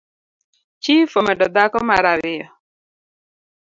Chif omedo dhako mara ariyo.